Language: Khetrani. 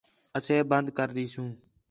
اَسے بند کر ݙیسوں